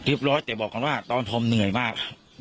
เรียบร้อยแต่บอกก่อนว่าตอนทำเหนื่อยมาก